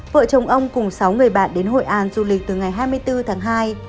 vợ chồng ông cùng sáu người bạn đến hội an du lịch từ ngày hai mươi bốn tháng hai